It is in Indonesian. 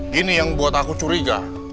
gini yang buat aku curiga